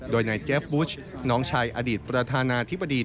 โดยนายเจฟบุชน้องชายอดีตประธานาธิบดี